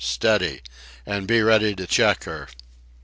Steady! And be ready to check her!"